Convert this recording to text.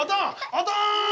おとん！